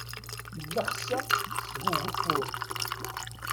Llexseɣ seg ugeffur.